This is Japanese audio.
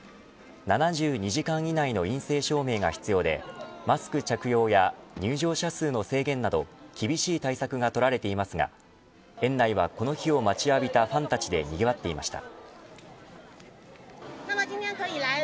７２時間以内の陰性証明が必要でマスク着用や入場者数の制限など厳しい対策が取られていますが園内はこの日を待ちわびたファンたちでにぎわっていました。